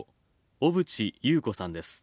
小渕優子さんです。